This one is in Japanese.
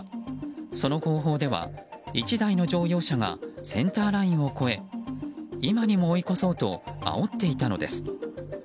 その後方では１台の乗用車がセンターラインを越え今にも追い越そうとあおっていたのです。